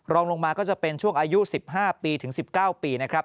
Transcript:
รองลงมาก็จะเป็นช่วงอายุ๑๕ปีถึง๑๙ปีนะครับ